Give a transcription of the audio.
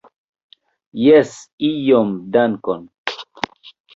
Jes, iom, dankon.